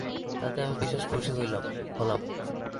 তাতে আমি বিশেষ খুশী হলাম।